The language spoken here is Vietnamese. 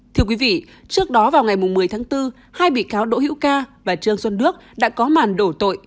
thưa quý vị trước đó vào ngày một mươi tháng bốn hai bị cáo đỗ hữu ca và trương xuân đức đã có màn đổ tội